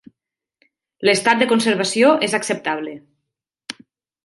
L'estat de conservació és acceptable.